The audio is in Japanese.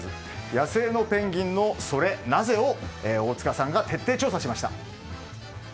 野生のペンギンのソレなぜ？を大塚さんが徹底調査しました。